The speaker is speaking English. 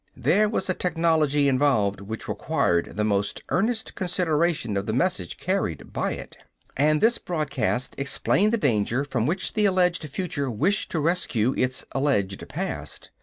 There was a technology involved which required the most earnest consideration of the message carried by it. And this broadcast explained the danger from which the alleged future wished to rescue its alleged past.